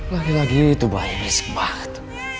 lagi lagi itu bayi berisik banget